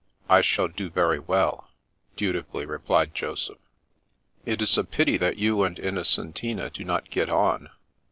I shall do very well," dutifully replied Joseph. " It is a pity that you and Innocentina do not get on.